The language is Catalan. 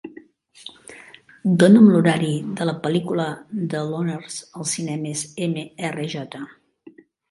Dóna'm l'horari de la pel·lícula The Loners als cinemes MRJ.